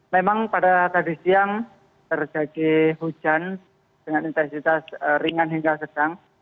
memang pada tadi siang terjadi hujan dengan intensitas ringan hingga sedang